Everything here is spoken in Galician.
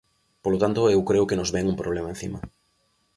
Polo tanto, eu creo que nos vén un problema encima.